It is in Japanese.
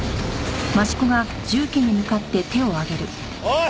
おい！